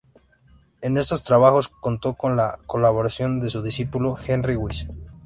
En estos trabajos contó con la colaboración de su discípulo Henry Wise.